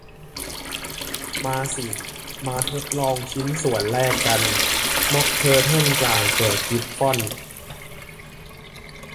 มาสิ มาทดลองชิ้นส่วนแรกกัน ม็อคเทอร์เทิลกล่างแก่กริฟฟอน